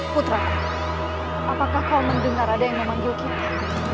putra apakah kau mendengar ada yang memanggil kita